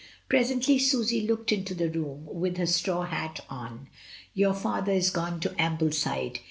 Presently Susy looked into the room, with her straw hat on. "Your father is gone to Ambleside.